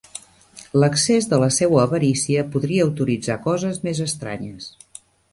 L'excés de la seua avarícia podria autoritzar coses més estranyes.